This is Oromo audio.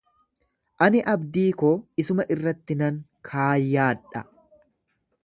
Ani abdii koo isuma irratti nan kaayyaadha.